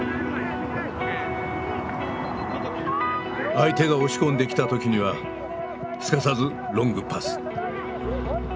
相手が押し込んできた時にはすかさずロングパス。